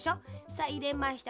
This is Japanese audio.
さっいれました。